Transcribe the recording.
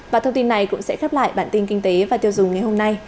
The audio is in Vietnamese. và thông tin này cũng sẽ khép lại bản tin kinh tế và tiêu dùng ngày hôm nay